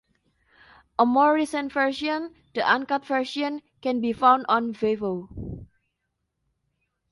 A more recent version, the uncut version, can be found on Vevo.